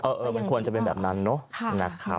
เออมันควรจะเป็นแบบนั้นเนอะนะครับ